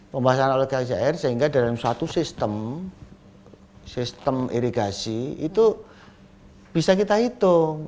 pembahasan oleh kjr sehingga dalam suatu sistem sistem irigasi itu bisa kita hitung